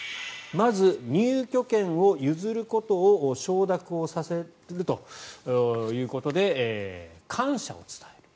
まず入居権を譲ることを承諾をさせるということで感謝を伝える。